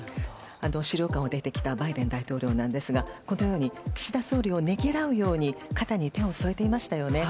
資料館を出てきたバイデン大統領ですがこのように岸田総理を労うように肩に手を添えていましたよね。